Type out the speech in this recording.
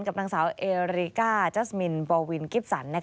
กับนางสาวเอริก้าจัสมินบอลวินกิฟสัน